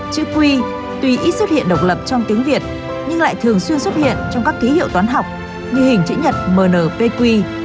chứ quy tuy ít xuất hiện độc lập trong tiếng việt nhưng lại thường xuyên xuất hiện trong các ký hiệu toán học như hình chữ nhật mpq